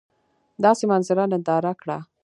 داسي منظره ننداره کړه !